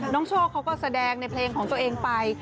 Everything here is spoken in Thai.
โชคเขาก็แสดงในเพลงของตัวเองไป